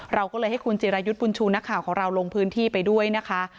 เราก็เลยให้คุณจิรายุทธ์บุญชูนักข่าวของเราลงพื้นที่ไปด้วยนะคะ